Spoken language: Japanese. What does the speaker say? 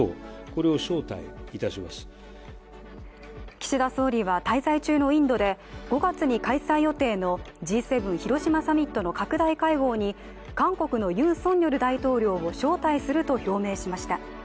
岸田総理は滞在中のインドで５月に開催予定のＧ７広島サミットの拡大会合に韓国のユン・ソンニョル大統領を招待すると表明しました。